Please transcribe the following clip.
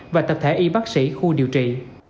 và tập thể y bác sĩ khu điều trị